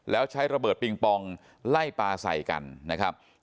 แล้วใช้ระเบิดปิงปองไล่ปลาใส่กันนะครับ